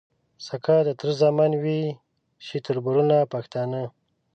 سکه د تره زامن وي شي تــربـــرونـه پښتانه